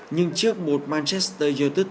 nhưng trước một manchester utd